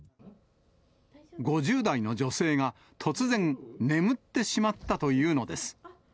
５０代の女性が突然、眠ってしまったというのです。